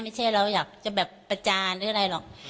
ไม่ใช่เราอยากจะแบบประจานหรืออะไรหรอก